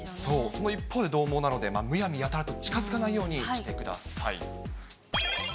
その一方で、どう猛なので、むやみやたらと近づかないようにしてください。